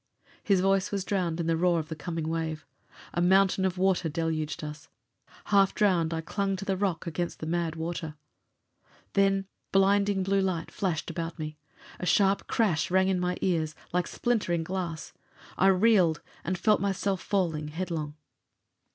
His voice was drowned in the roar of the coming wave. A mountain of water deluged us. Half drowned, I clung to the rock against the mad water. Then blinding blue light flashed about me. A sharp crash rang in my ears, like splintering glass. I reeled, and felt myself falling headlong.